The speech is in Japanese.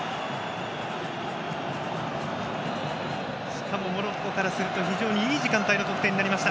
しかもモロッコからすると非常にいい時間帯での得点となりました。